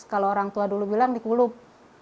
kalau orang tua dulu bilang dikulup